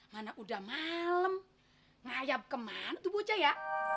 mana udah malem ngayap kemana tuh bocah ya